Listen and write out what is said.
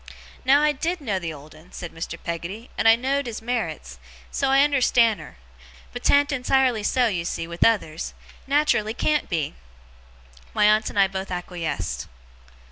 Now I DID know the old 'un,' said Mr. Peggotty, 'and I know'd his merits, so I unnerstan' her; but 'tan't entirely so, you see, with others nat'rally can't be!' My aunt and I both acquiesced.